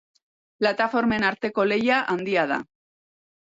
Plataformen arteko lehia handia da.